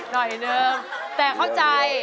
หน่อยนึงแต่เข้าใจ